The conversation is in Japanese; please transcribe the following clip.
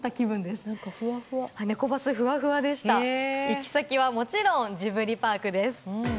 行き先はもちろんジブリパークです。